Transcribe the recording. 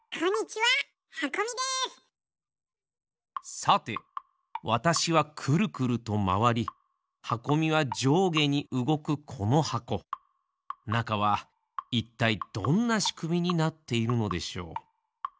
さてわたしはくるくるとまわりはこみはじょうげにうごくこのはこなかはいったいどんなしくみになっているのでしょう？